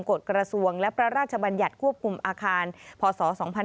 กฎกระทรวงและพระราชบัญญัติควบคุมอาคารพศ๒๕๕๙